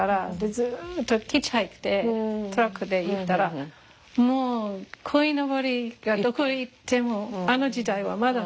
ずっとヒッチハイクでトラックで行ったらもうこいのぼりがどこへ行ってもあの時代はまだまだ。